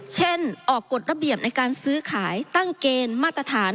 เช่นออกกฎระเบียบในการซื้อขายตั้งเกณฑ์มาตรฐาน